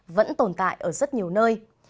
vẫn tồn tại ở rất nhiều nơi